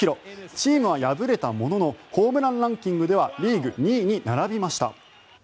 チームは敗れたもののホームランランキングではリーグ２位に並びました。